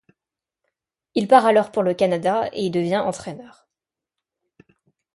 Il part alors pour le Canada et y devient entraîneur...